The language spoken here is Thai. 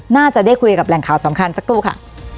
น่าจะได้คุยกับแหล่งข่าวสำคัญสักครู่ค่ะ